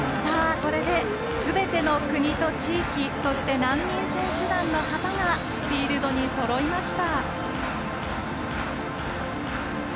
これですべての国と地域そして、難民選手団の旗がフィールドにそろいました。